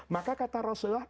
maka kata rasulullah